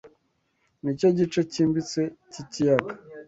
Nicyo gice cyimbitse cyikiyaga.